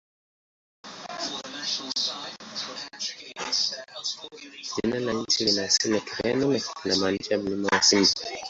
Jina la nchi lina asili ya Kireno na linamaanisha "Mlima wa Simba".